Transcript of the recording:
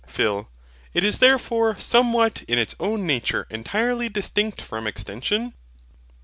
PHIL. It is therefore somewhat in its own nature entirely distinct from extension?